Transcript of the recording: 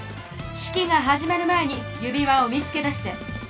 式が始まる前に指輪を見つけ出して！